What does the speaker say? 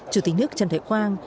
chủ tịch nước trần thể quang